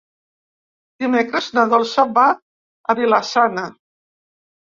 Dimecres na Dolça va a Vila-sana.